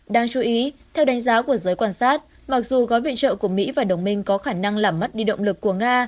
đáng chú ý theo đánh giá của giới quan sát mặc dù gói viện trợ của mỹ và đồng minh có khả năng làm mất đi động lực của nga